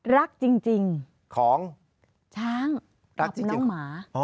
รักจริงของช้างรักน้องหมา